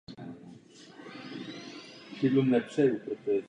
Jako eurozóna nesmíme postihovat země, které nejvíc vyvážejí.